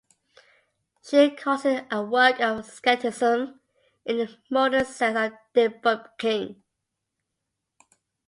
She calls it a work of Skepticism in the modern sense of debunking.